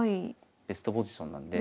ベストポジションなんで。